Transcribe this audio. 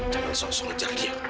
jangan sok sok ngejar dia